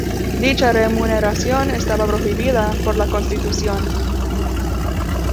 Dicha remuneración estaba prohibida por la constitución.